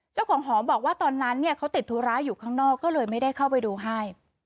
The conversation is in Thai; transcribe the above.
เจ้าของหอบอกว่าตอนนั้นเนี่ยเขาติดธุระอยู่ข้างนอกก็เลยไม่ได้เข้าไปดูให้